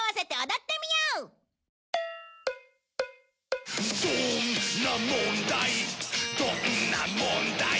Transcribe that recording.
どんな問題も」